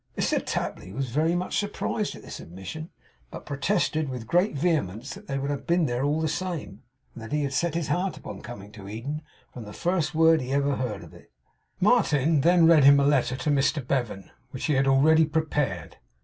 Mr Tapley was very much surprised at this admission, but protested, with great vehemence, that they would have been there all the same; and that he had set his heart upon coming to Eden, from the first word he had ever heard of it. Martin then read him a letter to Mr Bevan, which he had already prepared.